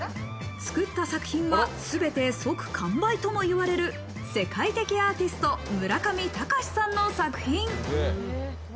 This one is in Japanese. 作った作品は、すべて即完売ともいわれる、世界的アーティスト村上隆さんの作品。